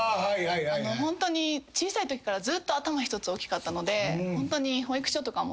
ホントに小さいときからずっと頭１つ大きかったのでホントに。